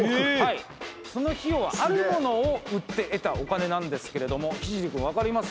その費用はあるものを売って得たお金なんですけれどもＨＩＪＩＲＩ君分かります？